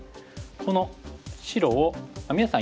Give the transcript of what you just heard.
この白を皆さん